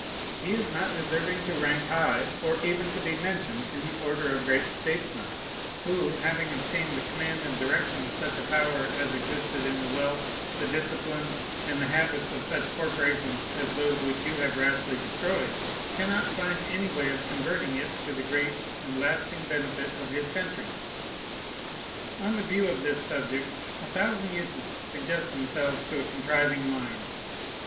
He is not deserving to rank high, or even to be mentioned in the order of great statesmen, who, having obtained the command and direction of such a power as existed in the wealth, the discipline, and the habits of such corporations as those which you have rashly destroyed, cannot find any way of converting it to the great and lasting benefit of his country. On the view of this subject, a thousand uses suggest themselves to a contriving mind.